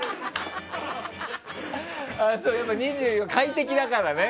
やっぱり快適だからね。